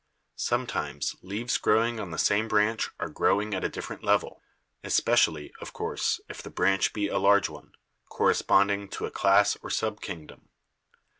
Sometimes leaves growing on the same branch are grow ing at a different level — especially, of course, if the branch be a large one, corresponding to a class or sub kingdom.